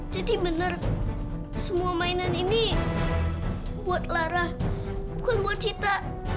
jadi benar semua mainan ini buat lara bukan buat sita